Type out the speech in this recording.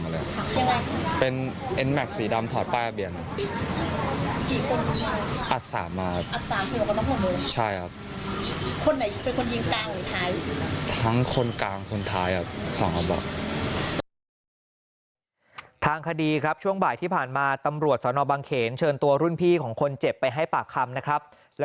แล้วก็ส่งให้ติดป้าที่ทางเข้ามานะครับคือจะแยกน้องที่กลับมาก่อนครับ